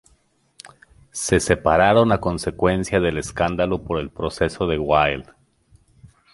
Se separaron a consecuencia del escándalo por el proceso de Wilde.